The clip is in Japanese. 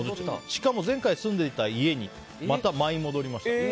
しかも前回住んでいた家にまた舞い戻りました。